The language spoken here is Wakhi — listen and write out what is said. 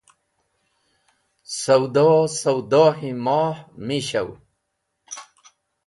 Sawdo sawdo-e moh mi shawi